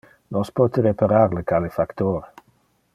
Nos pote reparar le calefactor.